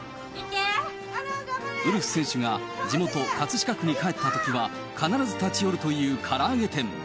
ウルフ選手が地元、葛飾区に帰ったときには必ず立ち寄るというから揚げ店。